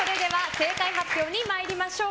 正解発表に参りましょう。